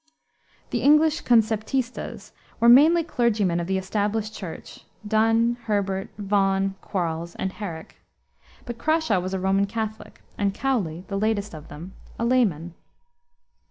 The English conceptistas were mainly clergymen of the established Church, Donne, Herbert, Vaughan, Quarles, and Herrick. But Crashaw was a Roman Catholic, and Cowley the latest of them a layman.